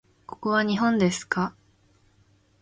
ここは日本ですか？